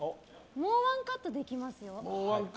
もうワンカットできますよ。